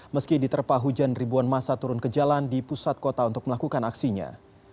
meski diterpah hujan ribuan masa turun ke jalan di pusat kota untuk melakukan aksinya